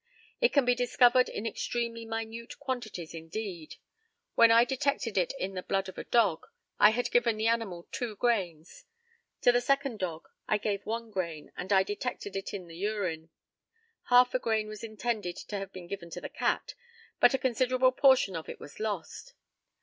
It can be discovered in extremely minute quantities indeed. When I detected it in the blood of a dog, I had given the animal two grains. To the second dog I gave one grain, and I detected it in the urine. Half a grain was intended to have been given to the cat, but a considerable portion of it was lost.